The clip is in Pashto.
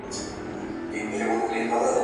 دا نظم مي وساته یو وخت به در یادیږي !.